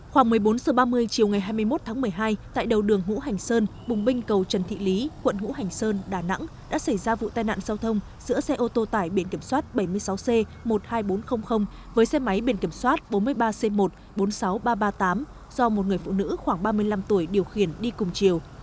khoảng một mươi bốn h ba mươi chiều ngày hai mươi một tháng một mươi hai tại đầu đường hữu hành sơn bùng binh cầu trần thị lý quận hữu hành sơn đà nẵng đã xảy ra vụ tai nạn giao thông giữa xe ô tô tải biển kiểm soát bảy mươi sáu c một mươi hai nghìn bốn trăm linh với xe máy biển kiểm soát bốn mươi ba c một bốn mươi sáu nghìn ba trăm ba mươi tám do một người phụ nữ khoảng ba mươi năm tuổi điều khiển đi cùng chiều